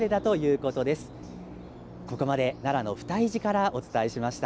ここまで、奈良の不退寺からお伝えしました。